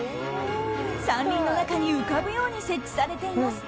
山林の中に浮かぶように設置されています。